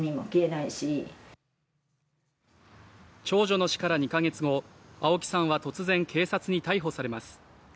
長女の死から２カ月後青木さんは突然警察に逮捕されます。